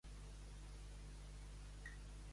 Si jo consento el pecat, consento ser condemnat.